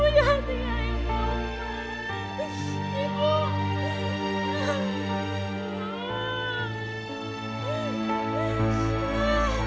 ibu ibu jangan tinggalin kuku ibu